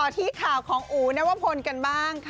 ไปต่อของอ๋วในวับฟนกันบ้าง